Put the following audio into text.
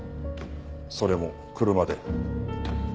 それも車で。